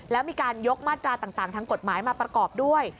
แล้วมีการยกมาตราต่างทางกฎหมายมาประกอบด้วย